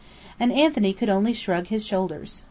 And Anthony could only shrug his shoulders.